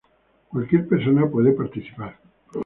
Cualquier persona puede participar.